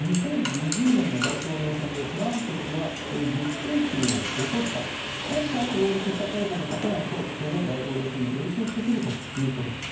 ２０２０年の大統領選でトランプ氏は激戦州を落とした今回も擁立した候補が勝てないと当然、大統領選に影響してくるということです。